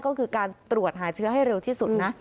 ก็คือการตรวจหาเชื้อให้เร็วที่สุดนะ